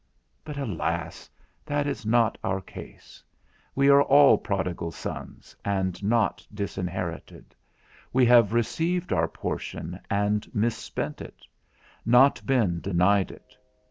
But alas, that is not our case; we are all prodigal sons, and not disinherited; we have received our portion, and mispent it, not been denied it.